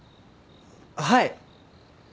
はい。